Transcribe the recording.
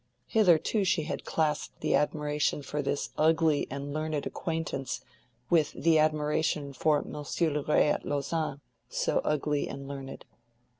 Hitherto she had classed the admiration for this "ugly" and learned acquaintance with the admiration for Monsieur Liret at Lausanne, also ugly and learned.